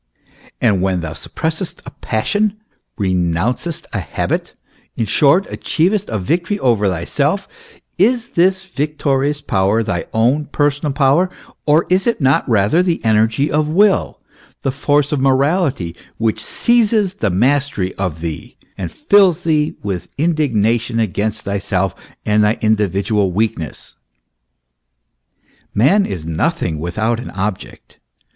And when thou suppressest a passion, renouncest a habit, in short, achievest a victory over thyself, is this victorious power thy own personal power, or is it not rather the energy of will, the force of morality, which seizes the mastery of thee, and fills thee with indignation against thyself and thy individual weaknesses ? Man is nothing without an object.